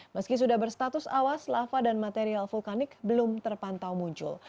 meski sudah berstatus awas lava dan material vulkanik belum terpantau muncul